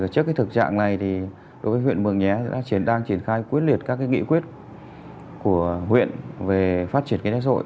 trước thực trạng này đối với huyện mường nhé đã đang triển khai quyết liệt các nghị quyết của huyện về phát triển kinh tế rỗi